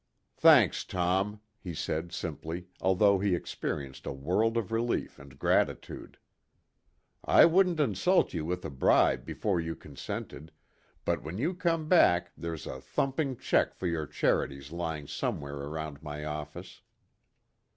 "Thanks, Tom," he said simply, although he experienced a world of relief and gratitude. "I wouldn't insult you with a bribe before you consented, but when you come back there's a thumping check for your charities lying somewhere around my office."